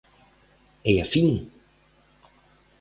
É a fin?